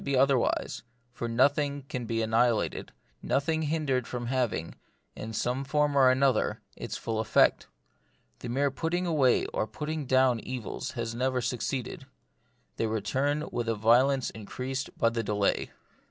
85 be otherwise ; for nothing can be annihilated, nothing hindered from having, in some form or other, its full effect. The mere putting away or putting down evils has never suc ceeded. They return with a violence increased by the delay.